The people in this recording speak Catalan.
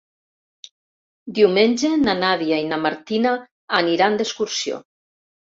Diumenge na Nàdia i na Martina aniran d'excursió.